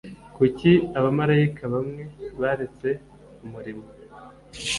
kuki abamarayika bamwe baretse umurimo